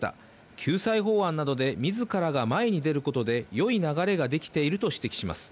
救済法案などで自らが前に出ることで良い流れができていると指摘します。